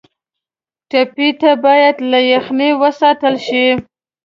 ټپي ته باید له یخنۍ وساتل شي.